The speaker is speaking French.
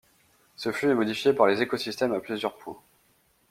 Ce flux est modifié par les écosystèmes à plusieurs points.